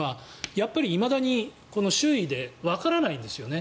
やっぱりいまだに周囲でわからないんですよね。